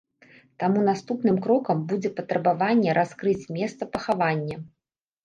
Таму наступным крокам будзе патрабаванне раскрыць месца пахавання.